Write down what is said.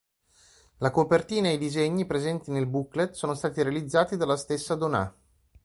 La copertina e i disegni presenti nel booklet sono stati realizzati dalla stessa Donà.